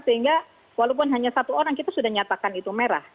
sehingga walaupun hanya satu orang kita sudah nyatakan itu merah